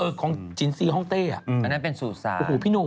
เออของจีนซีฮ่องเต้อะอันนั้นเป็นสุสาน